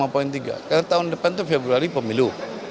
karena tahun depan itu februari pemilu